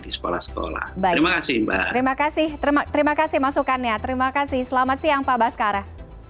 di sekolah sekolah baik terima kasih terima kasih masukannya terima kasih selamat siang pak baskara